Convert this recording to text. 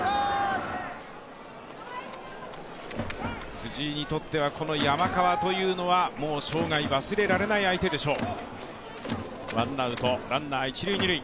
藤井にとっては、この山川というのはもう、生涯忘れられない相手でしょう。